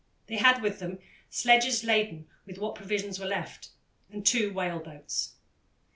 They had with them sledges laden with what provisions were left, and two whale boats.